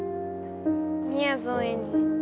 みやぞんエンジ。